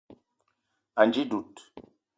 Ànji dud